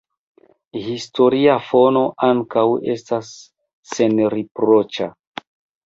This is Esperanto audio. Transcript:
Historia fono ankaŭ estas senriproĉa.